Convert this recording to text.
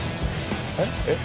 えっえっ？